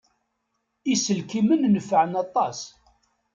Iselkimen nefɛen aṭas.